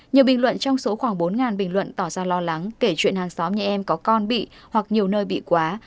nhiều bình luận trong số khoảng bốn bình luận tỏ ra lo lắng kể chuyện hàng xóm nhà em có con bị hoặc nhiều nơi bị quá